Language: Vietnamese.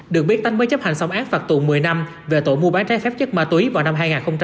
được biết anh mới chấp hành xong án phạt tù một mươi năm về tội mua bán trái phép chất ma túy vào năm hai nghìn một mươi